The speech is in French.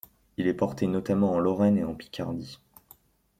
Il est porté notamment en Lorraine et en Picardie.